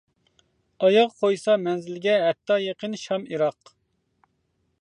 ئاياغ قويسا مەنزىلگە ھەتتا يېقىن شام-ئىراق.